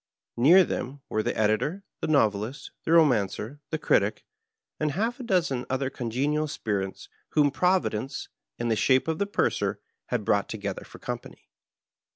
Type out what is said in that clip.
Near them were the Editor, the Novelist, the Bomancer, the Critic, and half a dozen other congenial spirits whom Providence, in the shape of the Purser, had brought together for company.